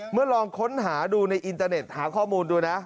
ลองค้นหาดูในอินเตอร์เน็ตหาข้อมูลดูนะ